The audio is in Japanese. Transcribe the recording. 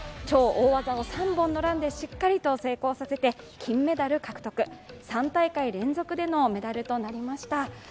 超大技を３本のランでしっかりと成功させて金メダル獲得、３大会連続でのメダルとなりました。